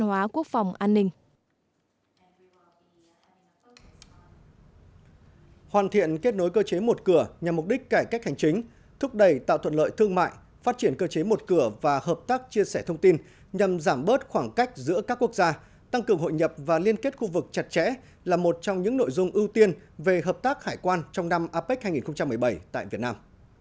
hoàn thiện kết nối cơ chế một cửa nhằm mục đích cải cách hành chính thúc đẩy tạo thuận lợi thương mại phát triển cơ chế một cửa và hợp tác chia sẻ thông tin nhằm giảm bớt khoảng cách giữa các quốc gia tăng cường hội nhập và liên kết khu vực chặt chẽ là một trong những nội dung ưu tiên về hợp tác hải quan trong năm apec hai nghìn một mươi bảy tại việt nam